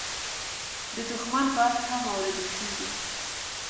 د دښمن غږ هم اورېدل کېږي.